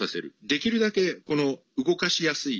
できるだけ動かしやすい。